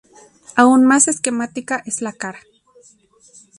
Aún más esquemática es la cara.